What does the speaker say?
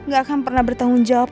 gak akan pernah bertanggung jawab